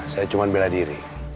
saya cuma bela diri